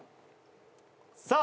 さあ